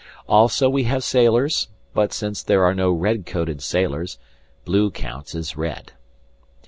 Also we have sailors; but, since there are no red coated sailors, blue counts as red.